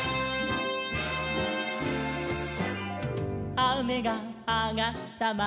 「あめがあがったまちに」